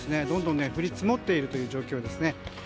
どんどん降り積もっている状況ですね。